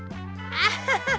アハハハ